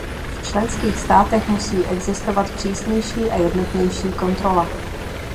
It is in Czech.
V členských státech musí existovat přísnější a jednotnější kontrola.